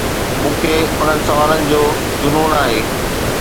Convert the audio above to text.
مون کي انهن سوالن جو جنون آهي.